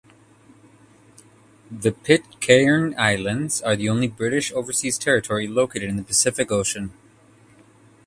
The Pitcairn Islands are the only British Overseas Territory located in the Pacific Ocean.